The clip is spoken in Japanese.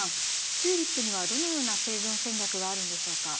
チューリップにはどのような生存戦略があるんでしょうか？